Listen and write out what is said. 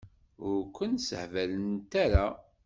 Ur kun-ssehbalent ara?